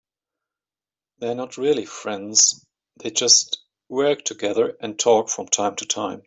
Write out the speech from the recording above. They are not really friends, they just work together and talk from time to time.